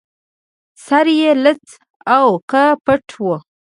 سر يې لڅ و او که پټ و